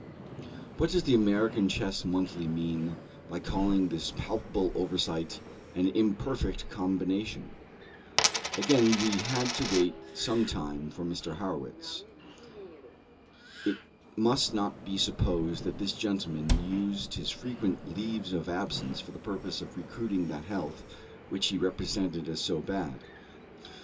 What does the American Chess Monthly mean by calling this palpable oversight "an imperfect combination?" Again we had to wait some time for Mr. Harrwitz. It must not be supposed that this gentleman used his frequent "leaves of absence" for the purpose of recruiting that health which he represented as so bad.